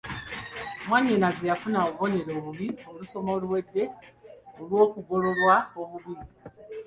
Mwannyinaze yafuna obubonero obubi olusoma oluwedde olw'okugololwa obubi.